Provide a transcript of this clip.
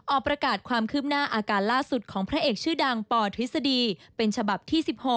ออกประกาศความคืบหน้าอาการล่าสุดของพระเอกชื่อดังปทฤษฎีเป็นฉบับที่๑๖